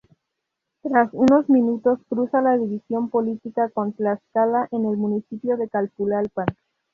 Tras unos minutos cruza la división política con Tlaxcala en el municipio de Calpulalpan.